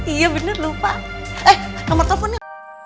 iya bener lupa eh nomor teleponnya